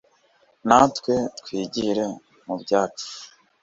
Na twe twigire mu byacu